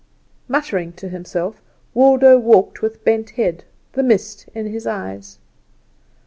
Muttering to himself, Waldo walked with bent head, the mist in his eyes.